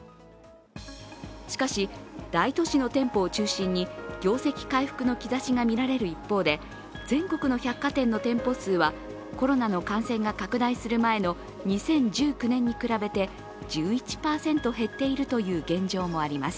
しかし、大都市の店舗を中心に業績回復の兆しが見られる一方で、全国の百貨店の店舗数はコロナの感染が拡大する前の２０１９年に比べて１１％減っているという現状もあります。